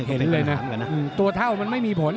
เห็นเลยนะตัวเท่ามันไม่มีผล